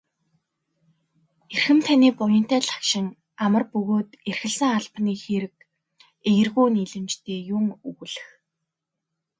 Эрхэм таны буянтай лагшин амар бөгөөд эрхэлсэн албаны хэрэг эергүү нийлэмжтэй юун өгүүлэх.